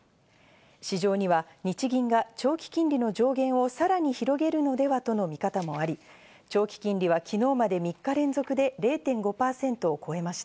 市場には日銀が長期金利の上限をさらに広げるのではとの見方もあり、長期金利は昨日まで３日連続で０．５％を超えました。